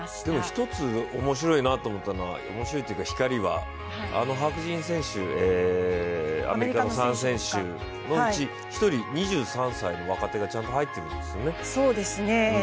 一つ、面白いなと思ったのは白人選手、アメリカの３選手のうち１人、２３歳の若手がちゃんと入ってるんですね。